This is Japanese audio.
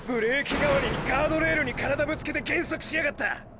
代わりにガードレールに体ぶつけて減速しやがった！！